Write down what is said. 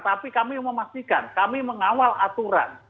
tapi kami memastikan kami mengawal aturan